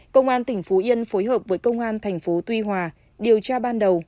công an tỉnh phú yên phối hợp với công an thành phố tuy hòa điều tra ban đầu